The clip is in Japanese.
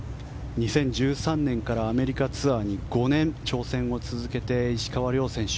２０１３年からアメリカツアーに５年挑戦を続けている石川遼選手。